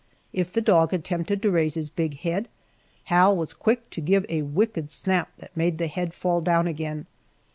If the dog attempted to raise his big head Hal was quick to give a wicked snap that made the head fall down again.